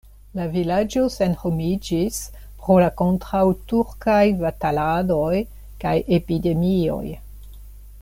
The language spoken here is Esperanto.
La vilaĝo senhomiĝis pro la kontraŭturkaj bataladoj kaj epidemioj.